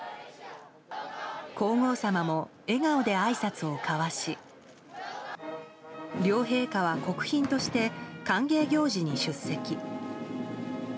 皇后さまも笑顔であいさつを交わし両陛下は国賓として歓迎行事に出席。